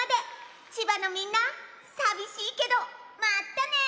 千葉のみんなさびしいけどまったね！